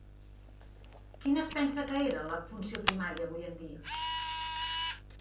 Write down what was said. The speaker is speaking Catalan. Quina es pensa que era la funció primària avui en dia?